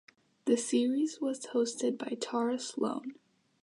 The series was hosted by Tara Slone.